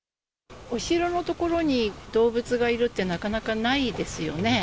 お城の所に動物がいるってなかなかないですよね。